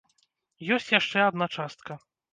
Ёсць яшчэ адна частка.